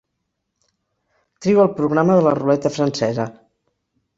Trio el programa de la ruleta francesa.